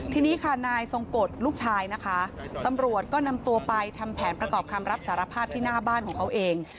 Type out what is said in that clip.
ทีนี้ค่ะนายทรงกฎลูกชายนะคะตำรวจก็นำตัวไปทำแผนประกอบคำรับสารภาพที่หน้าบ้านของเขาเอง